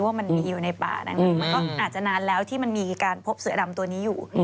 ว่ามันมีอยู่ในป่านั้นมันก็อาจจะนานแล้วที่มันมีการพบเสือดำตัวนี้อยู่